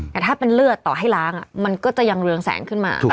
แต่ถ้าเป็นเลือดต่อให้ล้างมันก็จะยังเรืองแสงขึ้นมา